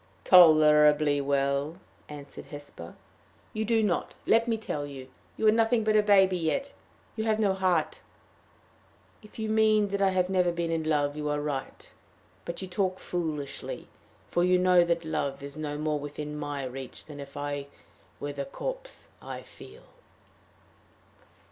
"Tolerably well," answered Hesper. "You do not let me tell you. You are nothing but a baby yet. You have no heart." "If you mean that I have never been in love, you are right. But you talk foolishly; for you know that love is no more within my reach than if I were the corpse I feel."